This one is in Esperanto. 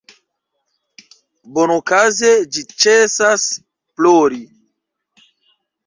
Bonokaze ĝi ĉesas plori.